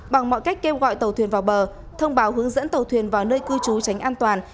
bằng mọi cách kêu gọi tàu thuyền vào bờ thông báo hướng dẫn tàu thuyền vào nơi cư trú tránh an toàn